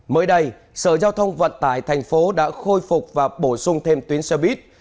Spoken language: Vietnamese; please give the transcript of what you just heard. mới đây sở giao thông vận tải tp hcm đã khôi phục và bổ sung thêm tuyến xe buýt